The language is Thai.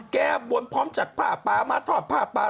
แก้บนพร้อมจัดผ้าปลามาทอดผ้าปลา